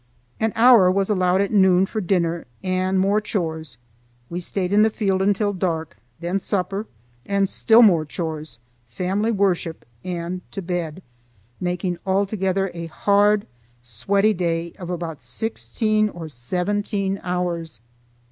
An hour was allowed at noon for dinner and more chores. We stayed in the field until dark, then supper, and still more chores, family worship, and to bed; making altogether a hard, sweaty day of about sixteen or seventeen hours.